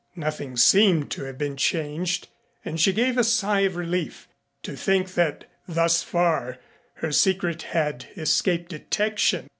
Nothing seemed to have been changed and she gave a sigh of relief to think that thus far her secret had escaped detection.